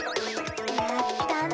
やったな！